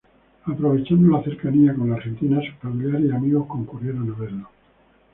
Aprovechando la cercanía con la Argentina, sus familiares y amigos concurrieron a verlo.